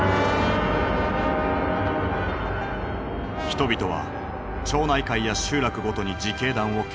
人々は町内会や集落ごとに自警団を結成。